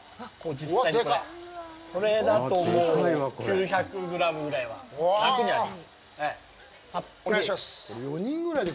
これだと、もう９００グラムぐらいは楽にあります。